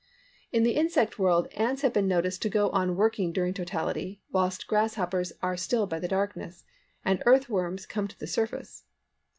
In the insect world ants have been noticed to go on working during totality, whilst grasshoppers are stilled by the darkness, and earth worms come to the surface.